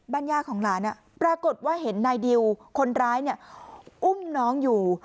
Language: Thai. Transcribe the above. ย่าของหลานปรากฏว่าเห็นนายดิวคนร้ายอุ้มน้องอยู่